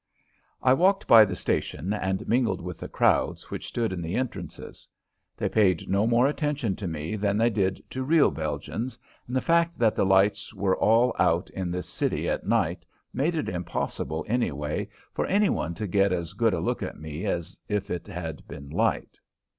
I walked by the station and mingled with the crowds which stood in the entrances. They paid no more attention to me than they did to real Belgians, and the fact that the lights were all out in this city at night made it impossible, anyway, for any one to get as good a look at me as if it had been light.